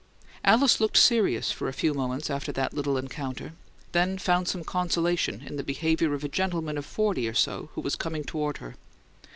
Alice looked serious for a few moments after the little encounter, then found some consolation in the behaviour of a gentleman of forty or so who was coming toward her.